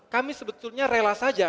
kami sebetulnya rela saja